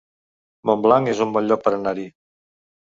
Montblanc es un bon lloc per anar-hi